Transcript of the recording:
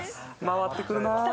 回ってくるな。